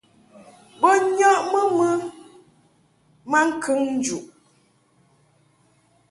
Bo nyɔʼmɨ mɨ maŋkəŋ njuʼ.